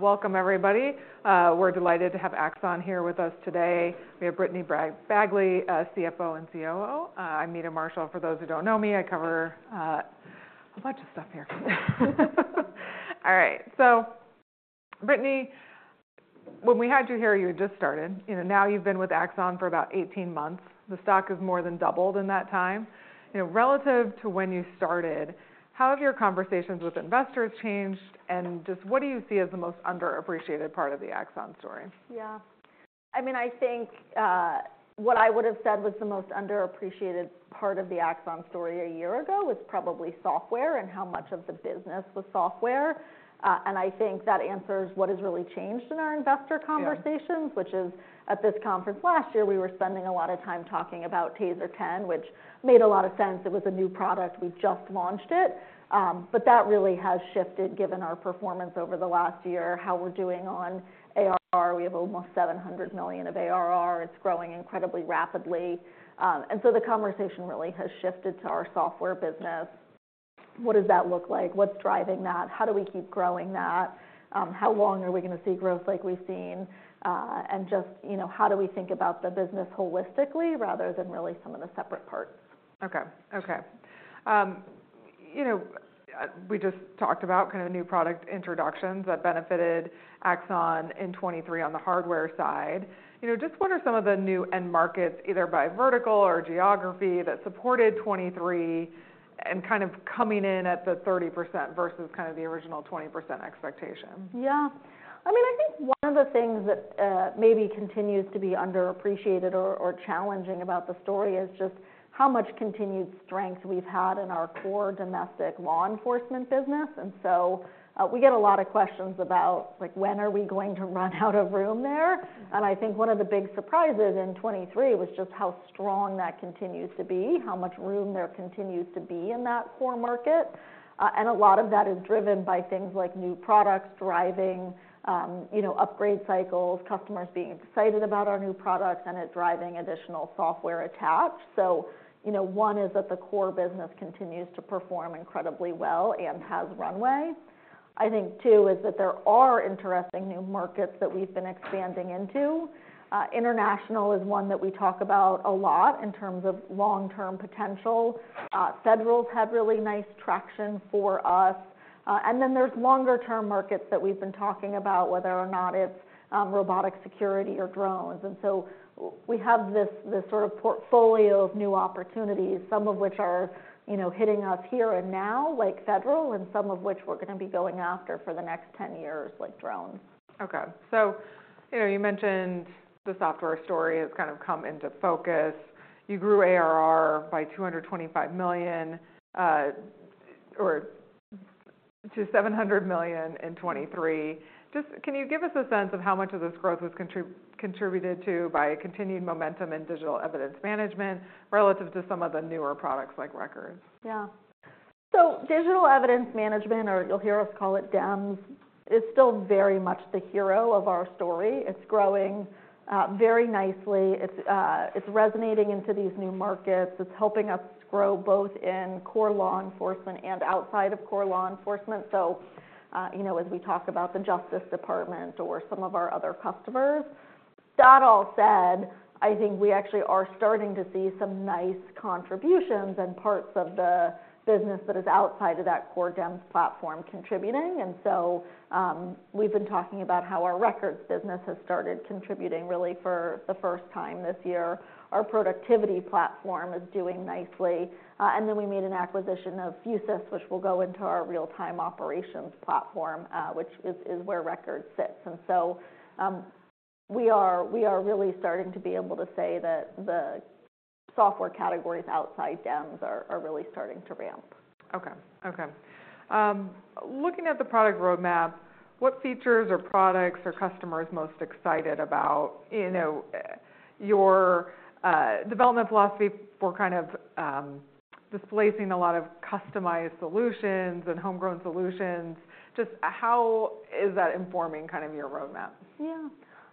Welcome, everybody. We're delighted to have Axon here with us today. We have Brittany Bagley, CFO and COO. I'm Meta Marshall. For those who don't know me, I cover a bunch of stuff here. All right. So, Brittany, when we had you here, you had just started. Now you've been with Axon for about 18 months. The stock has more than doubled in that time. Relative to when you started, how have your conversations with investors changed? And just what do you see as the most underappreciated part of the Axon story? Yeah. I mean, I think what I would have said was the most underappreciated part of the Axon story a year ago was probably software and how much of the business was software. I think that answers what has really changed in our investor conversations, which is, at this conference last year, we were spending a lot of time talking about TASER 10, which made a lot of sense. It was a new product. We just launched it. But that really has shifted, given our performance over the last year, how we're doing on ARR. We have almost $700 million of ARR. It's growing incredibly rapidly. And so the conversation really has shifted to our software business. What does that look like? What's driving that? How do we keep growing that? How long are we going to see growth like we've seen? Just how do we think about the business holistically rather than really some of the separate parts? OK. OK. We just talked about kind of new product introductions that benefited Axon in 2023 on the hardware side. Just what are some of the new end markets, either by vertical or geography, that supported 2023 and kind of coming in at the 30% versus kind of the original 20% expectation? Yeah. I mean, I think one of the things that maybe continues to be underappreciated or challenging about the story is just how much continued strength we've had in our core domestic law enforcement business. And so we get a lot of questions about, when are we going to run out of room there? And I think one of the big surprises in 2023 was just how strong that continues to be, how much room there continues to be in that core market. And a lot of that is driven by things like new products driving upgrade cycles, customers being excited about our new products, and it driving additional software attached. So one is that the core business continues to perform incredibly well and has runway. I think, too, is that there are interesting new markets that we've been expanding into. International is one that we talk about a lot in terms of long-term potential. Federal had really nice traction for us. Then there's longer-term markets that we've been talking about, whether or not it's robotic security or drones. So we have this sort of portfolio of new opportunities, some of which are hitting us here and now, like federal, and some of which we're going to be going after for the next 10 years, like drones. OK. So you mentioned the software story has kind of come into focus. You grew ARR by $225 million or to $700 million in 2023. Just can you give us a sense of how much of this growth was contributed to by continued momentum in digital evidence management relative to some of the newer products like records? Yeah. So digital evidence management, or you'll hear us call it DEMS, is still very much the hero of our story. It's growing very nicely. It's resonating into these new markets. It's helping us grow both in core law enforcement and outside of core law enforcement, so as we talk about the Justice Department or some of our other customers. That all said, I think we actually are starting to see some nice contributions and parts of the business that is outside of that core DEMS platform contributing. And so we've been talking about how our records business has started contributing really for the first time this year. Our productivity platform is doing nicely. And then we made an acquisition of Fusus, which we'll go into our Real-Time Operations platform, which is where records sits. And so we are really starting to be able to say that the software categories outside DEMS are really starting to ramp. OK. OK. Looking at the product roadmap, what features or products are customers most excited about? Your development philosophy for kind of displacing a lot of customized solutions and homegrown solutions, just how is that informing kind of your roadmap? Yeah.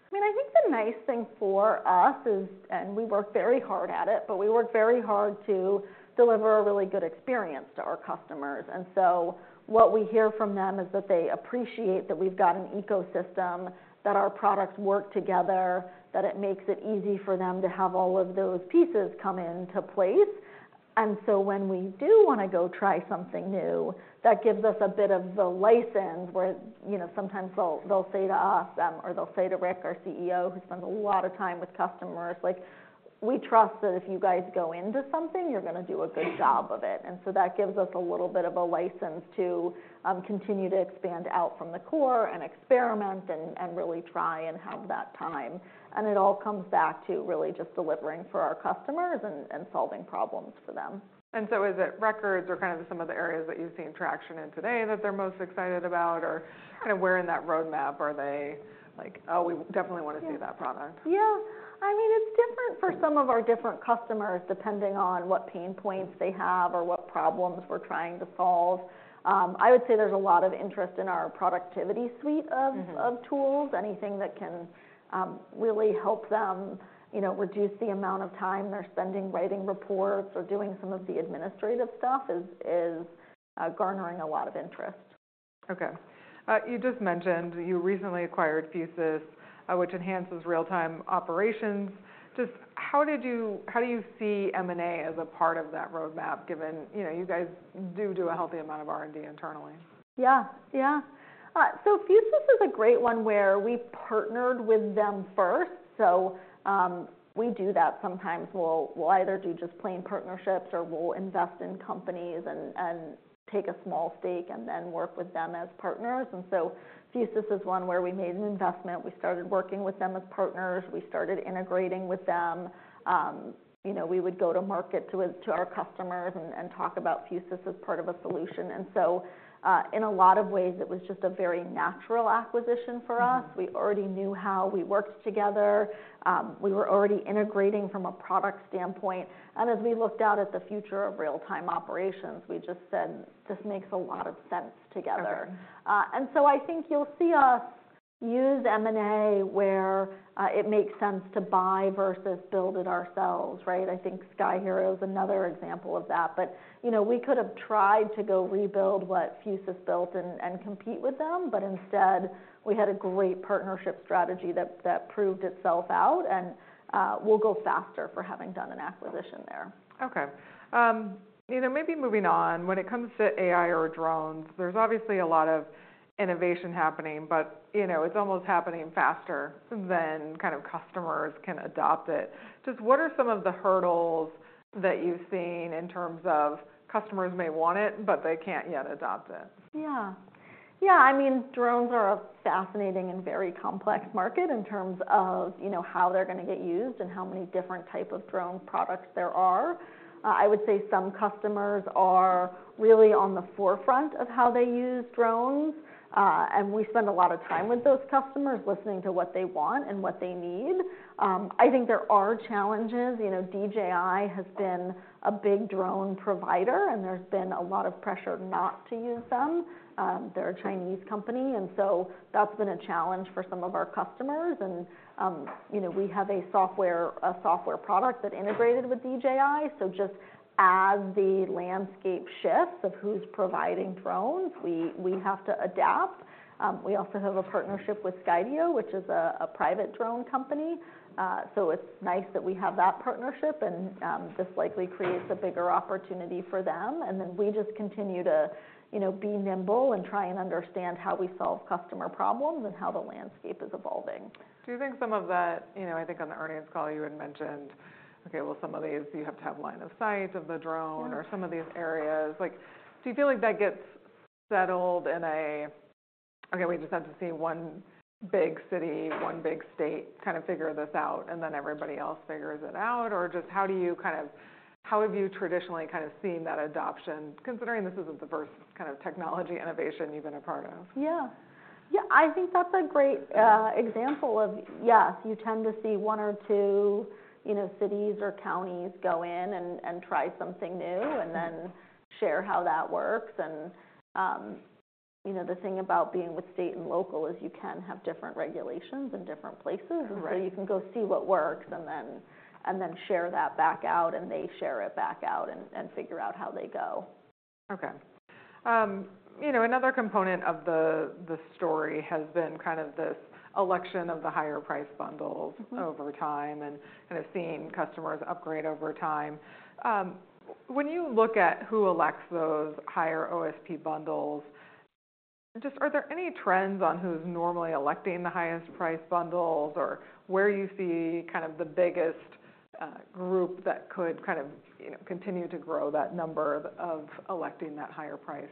I mean, I think the nice thing for us is, and we work very hard at it, but we work very hard to deliver a really good experience to our customers. And so what we hear from them is that they appreciate that we've got an ecosystem, that our products work together, that it makes it easy for them to have all of those pieces come into place. And so when we do want to go try something new, that gives us a bit of the license, where sometimes they'll say to us, or they'll say to Rick, our CEO, who spends a lot of time with customers, we trust that if you guys go into something, you're going to do a good job of it. That gives us a little bit of a license to continue to expand out from the core and experiment and really try and have that time. It all comes back to really just delivering for our customers and solving problems for them. Is it records or kind of some of the areas that you've seen traction in today that they're most excited about? Or kind of where in that roadmap are they like, oh, we definitely want to see that product? Yeah. I mean, it's different for some of our different customers, depending on what pain points they have or what problems we're trying to solve. I would say there's a lot of interest in our productivity suite of tools. Anything that can really help them reduce the amount of time they're spending writing reports or doing some of the administrative stuff is garnering a lot of interest. OK. You just mentioned you recently acquired Fusus, which enhances real-time operations. Just how do you see M&A as a part of that roadmap, given you guys do a healthy amount of R&D internally? Yeah. Yeah. So Fusus is a great one where we partnered with them first. So we do that sometimes. We'll either do just plain partnerships or we'll invest in companies and take a small stake and then work with them as partners. And so Fusus is one where we made an investment. We started working with them as partners. We started integrating with them. We would go to market to our customers and talk about Fusus as part of a solution. And so in a lot of ways, it was just a very natural acquisition for us. We already knew how we worked together. We were already integrating from a product standpoint. And as we looked out at the future of real-time operations, we just said, this makes a lot of sense together. And so I think you'll see us use M&A where it makes sense to buy versus build it ourselves. I think Sky-Hero is another example of that. But we could have tried to go rebuild what Fusus built and compete with them. But instead, we had a great partnership strategy that proved itself out. And we'll go faster for having done an acquisition there. OK. Maybe moving on, when it comes to AI or drones, there's obviously a lot of innovation happening. But it's almost happening faster than kind of customers can adopt it. Just what are some of the hurdles that you've seen in terms of customers may want it, but they can't yet adopt it? Yeah. Yeah. I mean, drones are a fascinating and very complex market in terms of how they're going to get used and how many different types of drone products there are. I would say some customers are really on the forefront of how they use drones. And we spend a lot of time with those customers listening to what they want and what they need. I think there are challenges. DJI has been a big drone provider. And there's been a lot of pressure not to use them. They're a Chinese company. And so that's been a challenge for some of our customers. And we have a software product that integrated with DJI. So just as the landscape shifts of who's providing drones, we have to adapt. We also have a partnership with Skydio, which is a private drone company. So it's nice that we have that partnership. This likely creates a bigger opportunity for them. Then we just continue to be nimble and try and understand how we solve customer problems and how the landscape is evolving. Do you think some of that, I think on the earnings call you had mentioned, OK, well, some of these you have to have line of sight of the drone or some of these areas, do you feel like that gets settled in a, OK, we just had to see one big city, one big state kind of figure this out, and then everybody else figures it out? Or just how do you kind of, how have you traditionally kind of seen that adoption, considering this isn't the first kind of technology innovation you've been a part of? Yeah. Yeah. I think that's a great example of, yes, you tend to see one or two cities or counties go in and try something new and then share how that works. And the thing about being with state and local is you can have different regulations in different places. And so you can go see what works and then share that back out. And they share it back out and figure out how they go. OK. Another component of the story has been kind of this election of the higher price bundles over time and kind of seeing customers upgrade over time. When you look at who elects those higher OSP bundles, just, are there any trends on who's normally electing the highest price bundles or where you see kind of the biggest group that could kind of continue to grow that number of electing that higher priced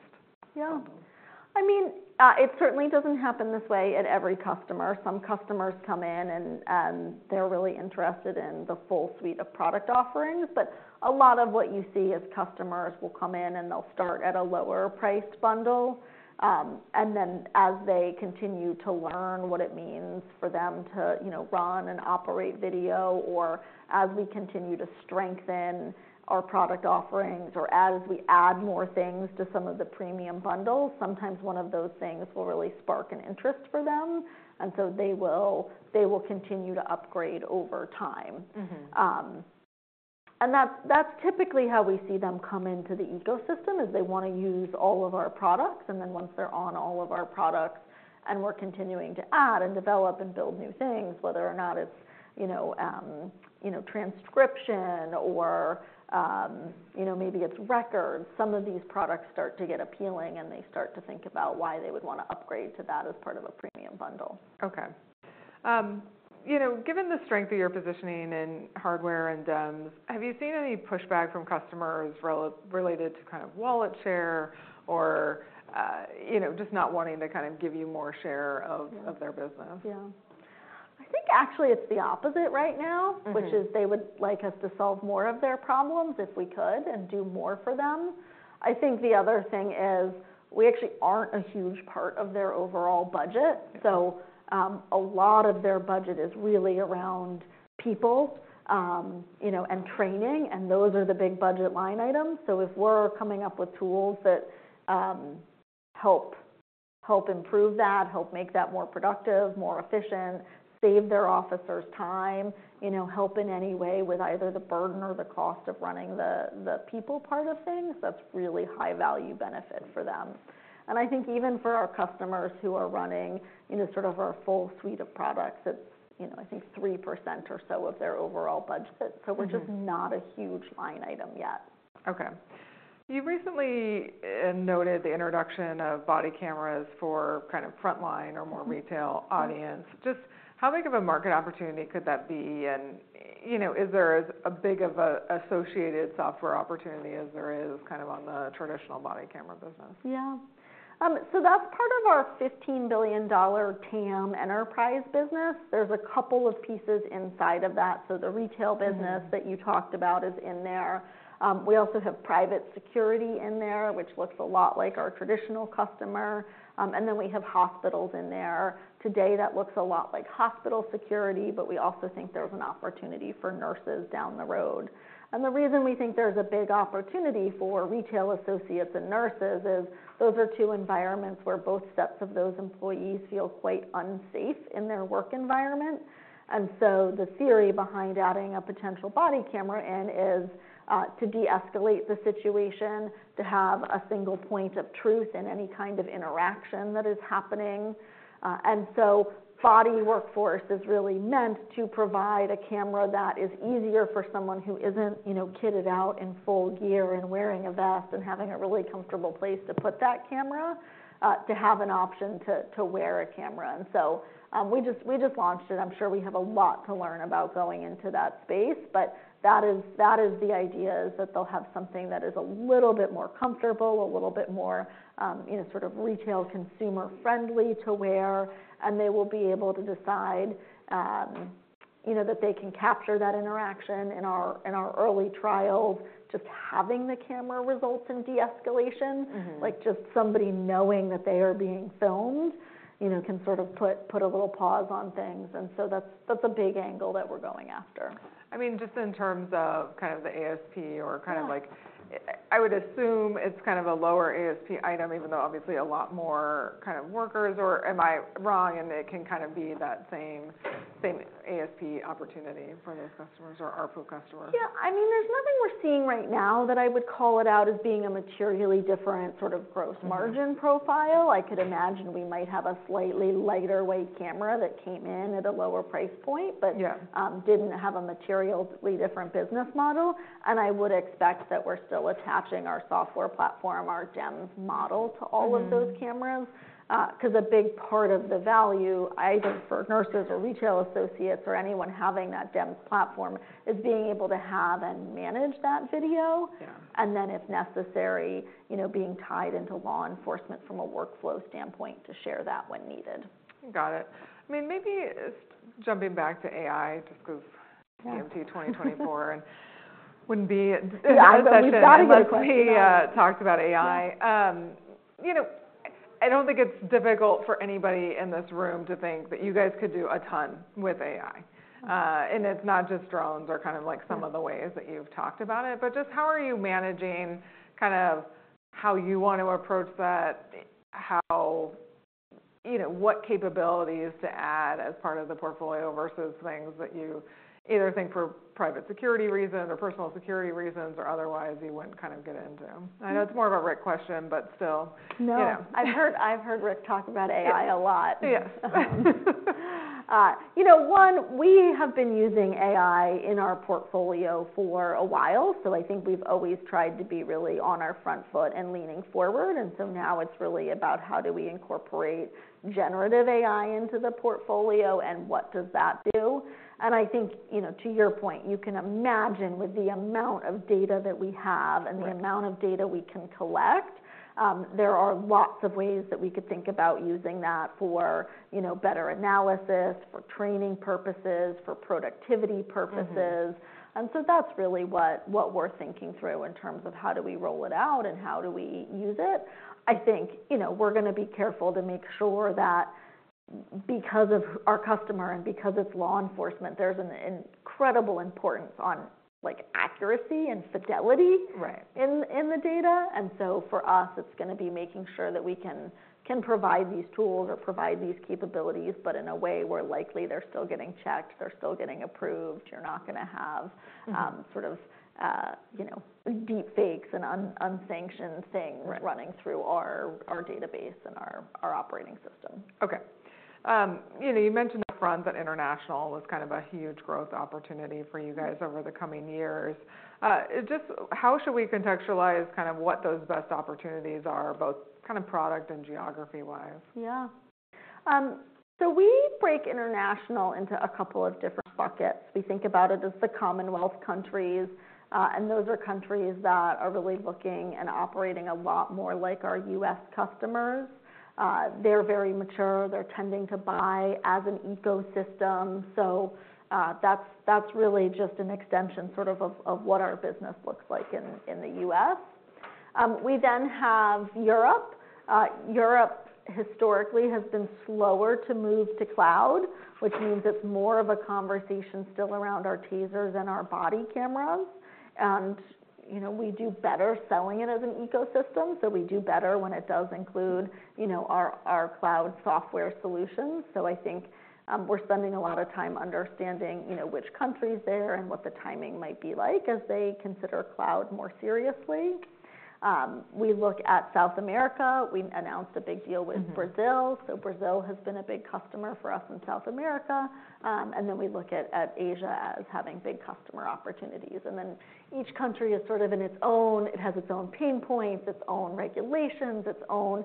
bundle? Yeah. I mean, it certainly doesn't happen this way at every customer. Some customers come in and they're really interested in the full suite of product offerings. But a lot of what you see is customers will come in and they'll start at a lower priced bundle. And then as they continue to learn what it means for them to run and operate video or as we continue to strengthen our product offerings or as we add more things to some of the premium bundles, sometimes one of those things will really spark an interest for them. And so they will continue to upgrade over time. And that's typically how we see them come into the ecosystem, is they want to use all of our products. Then once they're on all of our products and we're continuing to add and develop and build new things, whether or not it's transcription or maybe it's records, some of these products start to get appealing. They start to think about why they would want to upgrade to that as part of a premium bundle. OK. Given the strength of your positioning in hardware and DEMS, have you seen any pushback from customers related to kind of wallet share or just not wanting to kind of give you more share of their business? Yeah. I think actually it's the opposite right now, which is they would like us to solve more of their problems if we could and do more for them. I think the other thing is we actually aren't a huge part of their overall budget. So a lot of their budget is really around people and training. And those are the big budget line items. So if we're coming up with tools that help improve that, help make that more productive, more efficient, save their officers time, help in any way with either the burden or the cost of running the people part of things, that's really high value benefit for them. And I think even for our customers who are running sort of our full suite of products, it's, I think, 3% or so of their overall budget. So we're just not a huge line item yet. OK. You recently noted the introduction of body cameras for kind of frontline or more retail audience. Just how big of a market opportunity could that be? And is there as big of an associated software opportunity as there is kind of on the traditional body camera business? Yeah. So that's part of our $15 billion TAM Enterprise business. There's a couple of pieces inside of that. So the retail business that you talked about is in there. We also have private security in there, which looks a lot like our traditional customer. And then we have hospitals in there. Today, that looks a lot like hospital security. But we also think there's an opportunity for nurses down the road. And the reason we think there's a big opportunity for retail associates and nurses is those are two environments where both sets of those employees feel quite unsafe in their work environment. And so the theory behind adding a potential body camera in is to de-escalate the situation, to have a single point of truth in any kind of interaction that is happening. Body Workforce is really meant to provide a camera that is easier for someone who isn't kitted out in full gear and wearing a vest and having a really comfortable place to put that camera, to have an option to wear a camera. We just launched it. I'm sure we have a lot to learn about going into that space. That is the idea, is that they'll have something that is a little bit more comfortable, a little bit more sort of retail consumer-friendly to wear. They will be able to decide that they can capture that interaction. In our early trials, just having the camera results in de-escalation, like just somebody knowing that they are being filmed, can sort of put a little pause on things. That's a big angle that we're going after. I mean, just in terms of kind of the ASP or kind of like, I would assume it's kind of a lower ASP item, even though obviously a lot more kind of workers, or am I wrong? And it can kind of be that same ASP opportunity for those customers or ARPU customers? Yeah. I mean, there's nothing we're seeing right now that I would call it out as being a materially different sort of gross margin profile. I could imagine we might have a slightly lighter weight camera that came in at a lower price point but didn't have a materially different business model. And I would expect that we're still attaching our software platform, our DEMS model to all of those cameras. Because a big part of the value, either for nurses or retail associates or anyone having that DEMS platform, is being able to have and manage that video. And then if necessary, being tied into law enforcement from a workflow standpoint to share that when needed. Got it. I mean, maybe jumping back to AI, just because TMT 2024 wouldn't be a session. It must be talked about AI. I don't think it's difficult for anybody in this room to think that you guys could do a ton with AI. It's not just drones or kind of like some of the ways that you've talked about it. Just how are you managing kind of how you want to approach that, what capabilities to add as part of the portfolio versus things that you either think for private security reasons or personal security reasons or otherwise you wouldn't kind of get into? I know it's more of a Rick question, but still. No. I've heard Rick talk about AI a lot. One, we have been using AI in our portfolio for a while. So I think we've always tried to be really on our front foot and leaning forward. And so now it's really about how do we incorporate generative AI into the portfolio and what does that do? And I think to your point, you can imagine with the amount of data that we have and the amount of data we can collect, there are lots of ways that we could think about using that for better analysis, for training purposes, for productivity purposes. And so that's really what we're thinking through in terms of how do we roll it out and how do we use it. I think we're going to be careful to make sure that because of our customer and because it's law enforcement, there's an incredible importance on accuracy and fidelity in the data. And so for us, it's going to be making sure that we can provide these tools or provide these capabilities. But in a way where likely they're still getting checked, they're still getting approved. You're not going to have sort of deepfakes and unsanctioned things running through our database and our operating system. OK. You mentioned upfront that international was kind of a huge growth opportunity for you guys over the coming years. Just how should we contextualize kind of what those best opportunities are, both kind of product and geography-wise? Yeah. So we break international into a couple of different buckets. We think about it as the Commonwealth countries. And those are countries that are really looking and operating a lot more like our U.S. customers. They're very mature. They're tending to buy as an ecosystem. So that's really just an extension sort of of what our business looks like in the U.S. We then have Europe. Europe historically has been slower to move to cloud, which means it's more of a conversation still around our TASERs and our body cameras. And we do better selling it as an ecosystem. So we do better when it does include our cloud software solutions. So I think we're spending a lot of time understanding which countries are there and what the timing might be like as they consider cloud more seriously. We look at South America. We announced a big deal with Brazil. So Brazil has been a big customer for us in South America. And then we look at Asia as having big customer opportunities. And then each country is sort of in its own. It has its own pain points, its own regulations, its own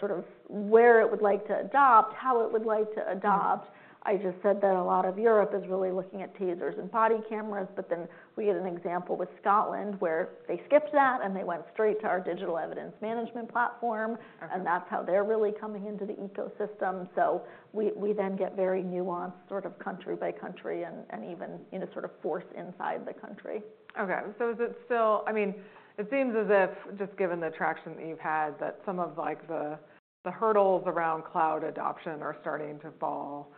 sort of where it would like to adopt, how it would like to adopt. I just said that a lot of Europe is really looking at TASERs and body cameras. But then we get an example with Scotland where they skipped that and they went straight to our digital evidence management platform. And that's how they're really coming into the ecosystem. So we then get very nuanced sort of country by country and even sort of force inside the country. OK. So is it still, I mean, it seems as if just given the traction that you've had, that some of the hurdles around cloud adoption are starting to fall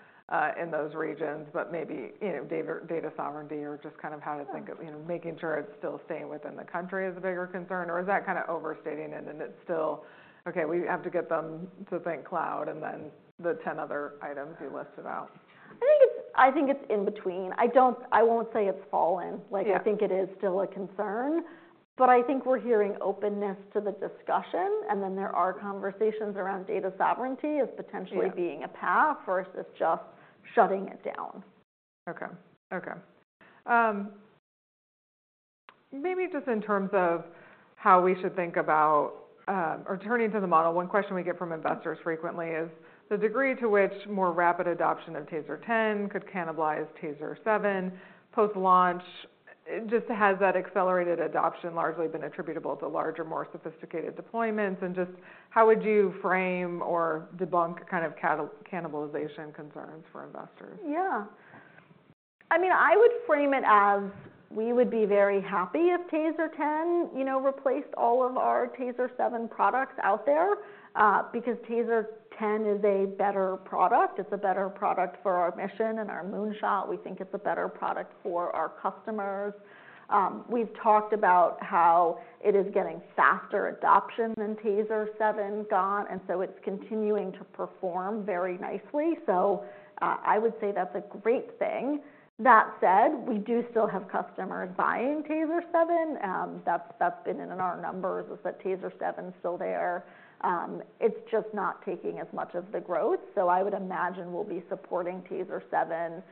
in those regions. But maybe data sovereignty or just kind of how to think of making sure it's still staying within the country is a bigger concern. Or is that kind of overstating it? And it's still, OK, we have to get them to think cloud and then the 10 other items you listed out? I think it's in between. I won't say it's fallen. I think it is still a concern. But I think we're hearing openness to the discussion. And then there are conversations around data sovereignty as potentially being a path versus just shutting it down. OK. Maybe just in terms of how we should think about or turning to the model, one question we get from investors frequently is the degree to which more rapid adoption of TASER 10 could cannibalize TASER 7 post-launch. Just has that accelerated adoption largely been attributable to larger, more sophisticated deployments? And just how would you frame or debunk kind of cannibalization concerns for investors? Yeah. I mean, I would frame it as we would be very happy if TASER 10 replaced all of our TASER 7 products out there. Because TASER 10 is a better product. It's a better product for our mission and our moonshot. We think it's a better product for our customers. We've talked about how it is getting faster adoption than TASER 7 got. And so it's continuing to perform very nicely. So I would say that's a great thing. That said, we do still have customers buying TASER 7. That's been in our numbers is that TASER 7 is still there. It's just not taking as much of the growth. So I would imagine we'll be supporting TASER 7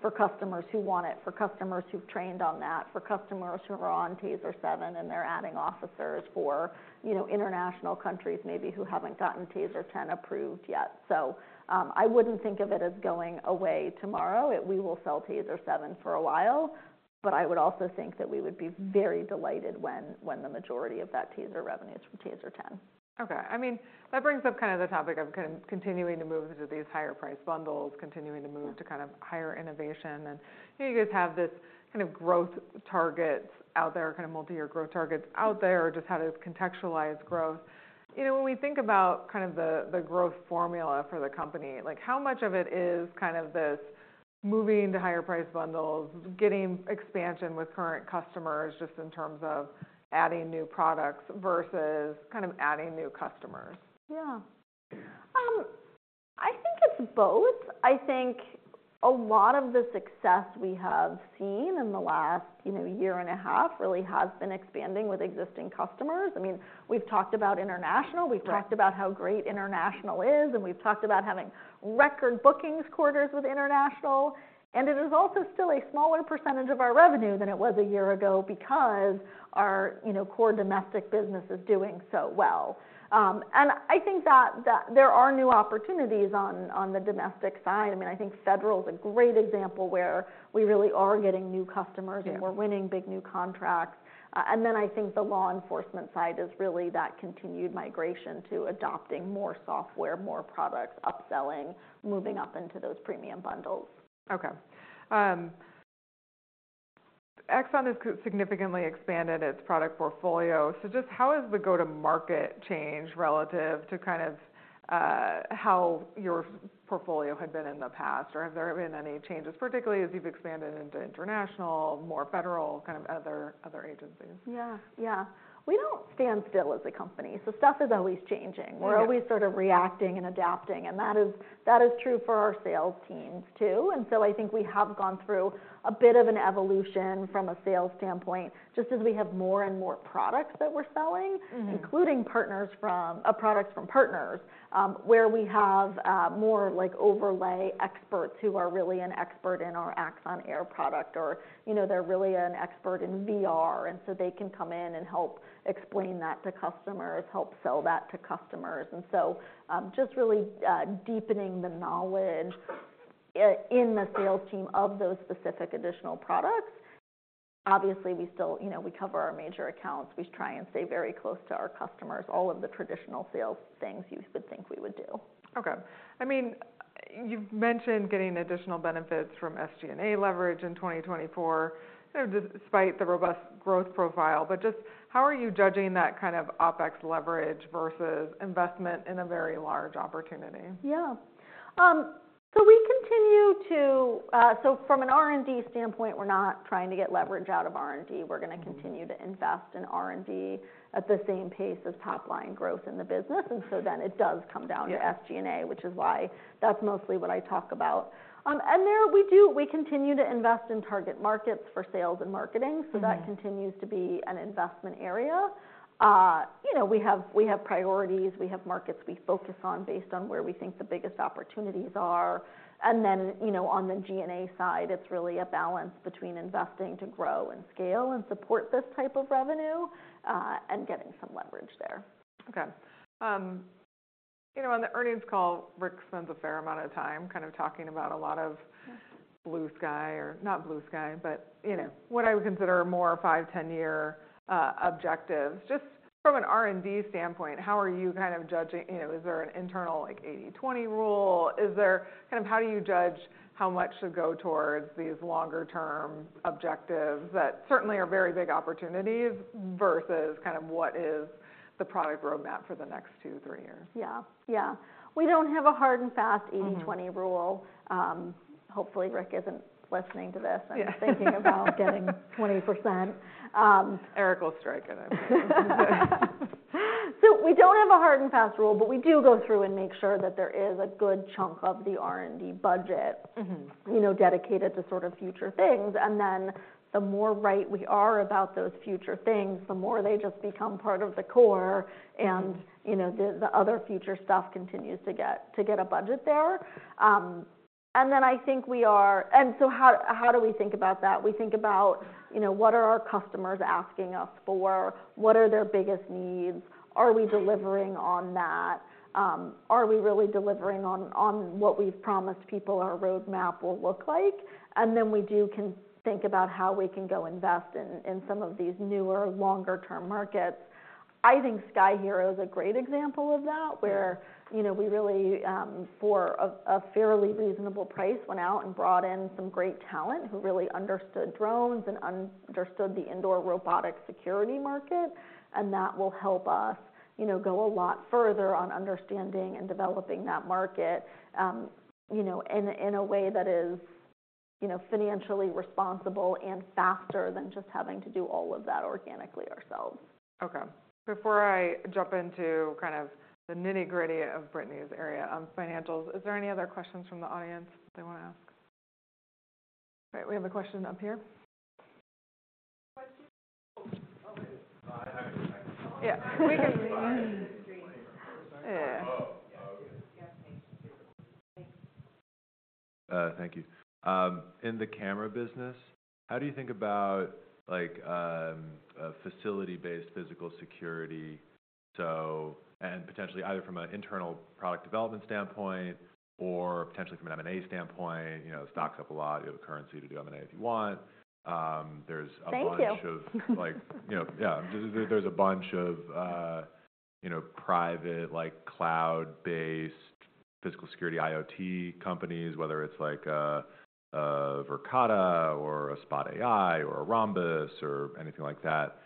for customers who want it, for customers who've trained on that, for customers who are on TASER 7 and they're adding officers for international countries maybe who haven't gotten TASER 10 approved yet. So I wouldn't think of it as going away tomorrow. We will sell TASER 7 for a while. But I would also think that we would be very delighted when the majority of that TASER revenue is from TASER 10. OK. I mean, that brings up kind of the topic of kind of continuing to move to these higher price bundles, continuing to move to kind of higher innovation. You guys have these kind of growth targets out there, kind of multi-year growth targets out there, just how to contextualize growth. When we think about kind of the growth formula for the company, how much of it is kind of this moving to higher price bundles, getting expansion with current customers just in terms of adding new products versus kind of adding new customers? Yeah. I think it's both. I think a lot of the success we have seen in the last year and a half really has been expanding with existing customers. I mean, we've talked about international. We've talked about how great international is. And we've talked about having record bookings quarters with international. And it is also still a smaller percentage of our revenue than it was a year ago because our core domestic business is doing so well. And I think that there are new opportunities on the domestic side. I mean, I think federal is a great example where we really are getting new customers and we're winning big new contracts. And then I think the law enforcement side is really that continued migration to adopting more software, more products, upselling, moving up into those premium bundles. OK. Axon has significantly expanded its product portfolio. So just how has the go-to-market changed relative to kind of how your portfolio had been in the past? Or have there been any changes, particularly as you've expanded into international, more federal, kind of other agencies? Yeah. Yeah. We don't stand still as a company. So stuff is always changing. We're always sort of reacting and adapting. And that is true for our sales teams too. And so I think we have gone through a bit of an evolution from a sales standpoint just as we have more and more products that we're selling, including products from partners, where we have more overlay experts who are really an expert in our Axon Air product or they're really an expert in VR. And so they can come in and help explain that to customers, help sell that to customers. And so just really deepening the knowledge in the sales team of those specific additional products. Obviously, we cover our major accounts. We try and stay very close to our customers, all of the traditional sales things you would think we would do. OK. I mean, you've mentioned getting additional benefits from SG&A leverage in 2024 despite the robust growth profile. But just how are you judging that kind of OpEx leverage versus investment in a very large opportunity? Yeah. So from an R&D standpoint, we're not trying to get leverage out of R&D. We're going to continue to invest in R&D at the same pace as top line growth in the business. So it does come down to SG&A, which is why that's mostly what I talk about. And there we continue to invest in target markets for sales and marketing. So that continues to be an investment area. We have priorities. We have markets we focus on based on where we think the biggest opportunities are. And then on the G&A side, it's really a balance between investing to grow and scale and support this type of revenue and getting some leverage there. OK. On the earnings call, Rick spends a fair amount of time kind of talking about a lot of blue sky or not blue sky, but what I would consider more five, 10-year objectives. Just from an R&D standpoint, how are you kind of judging? Is there an internal 80/20 rule? Is there kind of how do you judge how much should go towards these longer-term objectives that certainly are very big opportunities versus kind of what is the product roadmap for the next two, three years? Yeah. Yeah. We don't have a hard and fast 80/20 rule. Hopefully, Rick isn't listening to this and thinking about getting 20%. Eric will strike it. So we don't have a hard and fast rule. But we do go through and make sure that there is a good chunk of the R&D budget dedicated to sort of future things. And then the more right we are about those future things, the more they just become part of the core. And the other future stuff continues to get a budget there. And then I think we are, and so how do we think about that? We think about what are our customers asking us for? What are their biggest needs? Are we delivering on that? Are we really delivering on what we've promised people our roadmap will look like? And then we do think about how we can go invest in some of these newer, longer-term markets. I think Sky-Hero is a great example of that where we really, for a fairly reasonable price, went out and brought in some great talent who really understood drones and understood the indoor robotic security market. That will help us go a lot further on understanding and developing that market in a way that is financially responsible and faster than just having to do all of that organically ourselves. OK. Before I jump into kind of the nitty-gritty of Brittany's area on financials, is there any other questions from the audience they want to ask? All right. We have a question up here. Yeah. Thank you. In the camera business, how do you think about facility-based physical security? And potentially either from an internal product development standpoint or potentially from an M&A standpoint, stocks up a lot. You have a currency to do M&A if you want. There's a bunch of, yeah, there's a bunch of private cloud-based physical security IoT companies, whether it's like a Verkada or a Spot AI or a Rhombus or anything like that.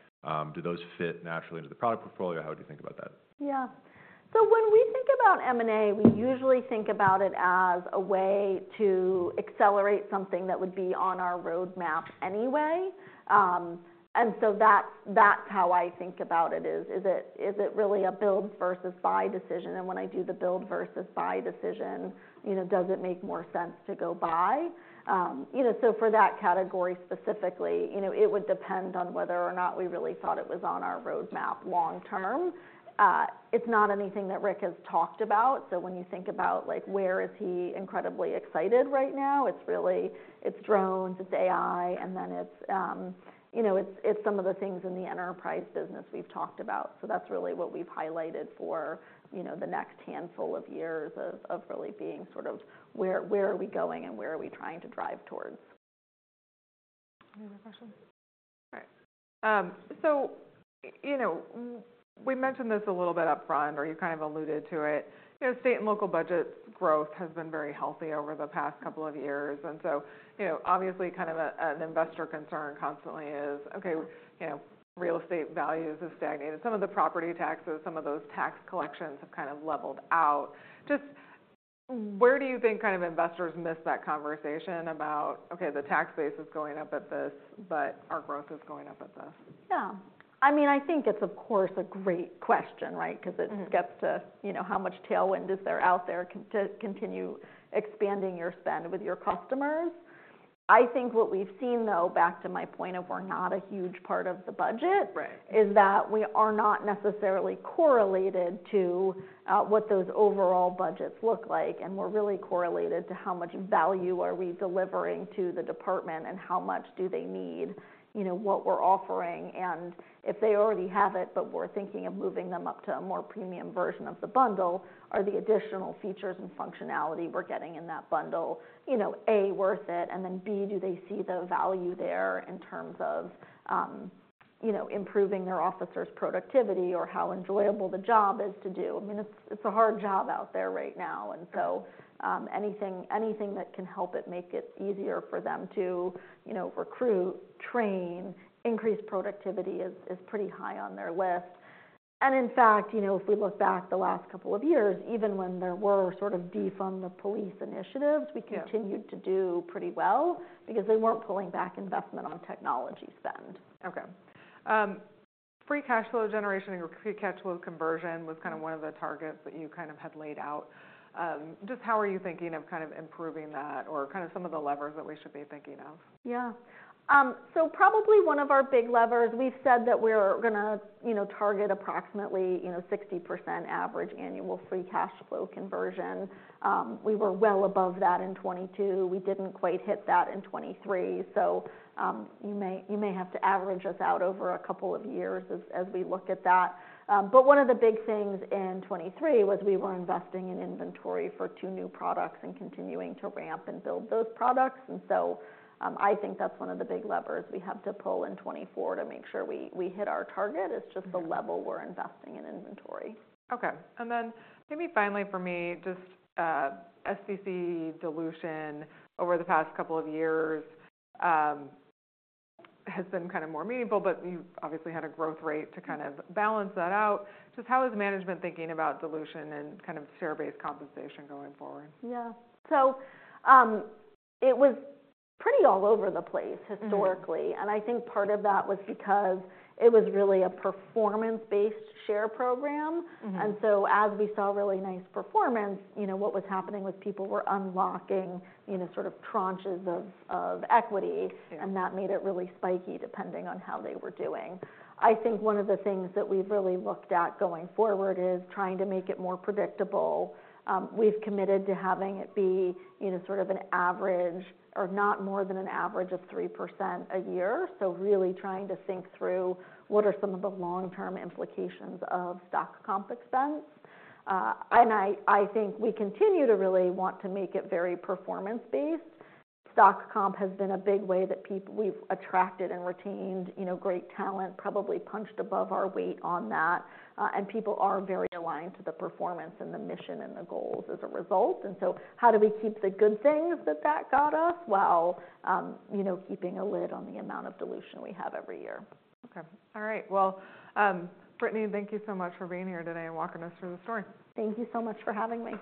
Do those fit naturally into the product portfolio? How would you think about that? Yeah. So when we think about M&A, we usually think about it as a way to accelerate something that would be on our roadmap anyway. And so that's how I think about it. Is it really a build versus buy decision? And when I do the build versus buy decision, does it make more sense to go buy? So for that category specifically, it would depend on whether or not we really thought it was on our roadmap long term. It's not anything that Rick has talked about. So when you think about where is he incredibly excited right now, it's really, it's drones, it's AI. And then it's some of the things in the enterprise business we've talked about. So that's really what we've highlighted for the next handful of years of really being sort of where are we going and where are we trying to drive towards. Any other questions? All right. So we mentioned this a little bit up front or you kind of alluded to it. State and local budgets growth has been very healthy over the past couple of years. And so obviously, kind of an investor concern constantly is, OK, real estate values have stagnated. Some of the property taxes, some of those tax collections have kind of leveled out. Just where do you think kind of investors miss that conversation about, OK, the tax base is going up at this, but our growth is going up at this? Yeah. I mean, I think it's, of course, a great question, right? Because it gets to how much tailwind is there out there to continue expanding your spend with your customers? I think what we've seen, though, back to my point of we're not a huge part of the budget, is that we are not necessarily correlated to what those overall budgets look like. And we're really correlated to how much value are we delivering to the department and how much do they need what we're offering? And if they already have it but we're thinking of moving them up to a more premium version of the bundle, are the additional features and functionality we're getting in that bundle, A, worth it? And then B, do they see the value there in terms of improving their officers' productivity or how enjoyable the job is to do? I mean, it's a hard job out there right now. And so anything that can help it make it easier for them to recruit, train, increase productivity is pretty high on their list. And in fact, if we look back the last couple of years, even when there were sort of defund-the-police initiatives, we continued to do pretty well because they weren't pulling back investment on technology spend. OK. Free cash flow generation and free cash flow conversion was kind of one of the targets that you kind of had laid out. Just how are you thinking of kind of improving that or kind of some of the levers that we should be thinking of? Yeah. So probably one of our big levers. We've said that we're going to target approximately 60% average annual free cash flow conversion. We were well above that in 2022. We didn't quite hit that in 2023. So you may have to average us out over a couple of years as we look at that. But one of the big things in 2023 was we were investing in inventory for two new products and continuing to ramp and build those products. And so I think that's one of the big levers we have to pull in 2024 to make sure we hit our target. It's just the level we're investing in inventory. OK. And then maybe finally for me, just SBC dilution over the past couple of years has been kind of more meaningful. But you obviously had a growth rate to kind of balance that out. Just how is management thinking about dilution and kind of share-based compensation going forward? Yeah. So it was pretty all over the place historically. And I think part of that was because it was really a performance-based share program. And so as we saw really nice performance, what was happening was people were unlocking sort of tranches of equity. And that made it really spiky depending on how they were doing. I think one of the things that we've really looked at going forward is trying to make it more predictable. We've committed to having it be sort of an average or not more than an average of 3% a year. So really trying to think through what are some of the long-term implications of stock comp expense. And I think we continue to really want to make it very performance-based. Stock comp has been a big way that we've attracted and retained great talent, probably punched above our weight on that. People are very aligned to the performance and the mission and the goals as a result. So how do we keep the good things that that got us while keeping a lid on the amount of dilution we have every year? OK. All right. Well, Brittany, thank you so much for being here today and walking us through the story. Thank you so much for having me.